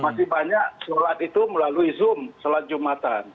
masih banyak sholat itu melalui zoom sholat jumatan